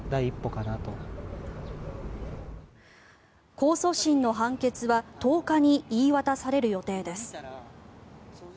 控訴審の判決は１０日に言い渡される予定です。